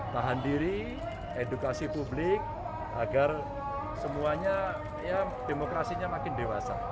tahan diri edukasi publik agar semuanya ya demokrasinya makin dewasa